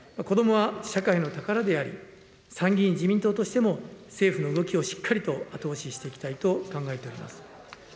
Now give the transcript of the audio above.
子どもは社会の宝であり、参議院自民党としても、政府の動きをしっかりと後押ししていきたいと考えております。